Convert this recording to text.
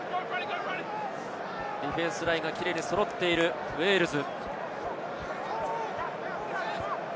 ディフェンスラインがキレイに揃っているウェールズ。